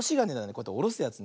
こうやっておろすやつ。